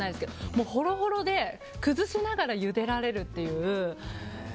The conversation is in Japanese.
もう、ほろほろで崩しながらゆでられるっていう。